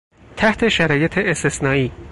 تحت شرایط استثنایی...